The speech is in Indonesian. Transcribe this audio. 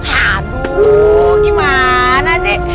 haduh gimana sih